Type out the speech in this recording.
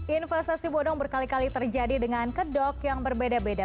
investasi bodong berkali kali terjadi dengan kedok yang berbeda beda